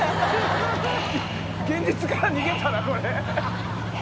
現実から逃げたなこれ。